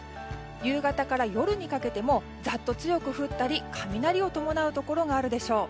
夕方から夜にかけてもざっと強く降ったり雷を伴うところがあるでしょう。